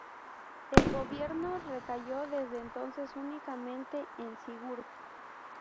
El gobierno recayó desde entonces únicamente en Sigurd.